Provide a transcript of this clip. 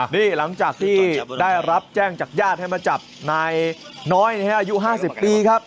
นี่หลังจากที่ได้รับแจ้งจากญาติให้มาจับนายน้อยอายุ๕๐ปีครับ